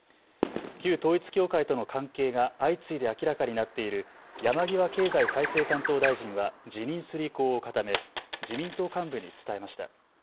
旧統一教会との関係が相次いで明らかになっている山際経済再生担当大臣は辞任する意向を固め自民党幹部に伝えました。